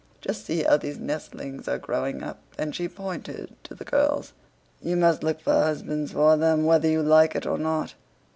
Just see how these nestlings are growing up," and she pointed to the girls. "You must look for husbands for them whether you like it or not...."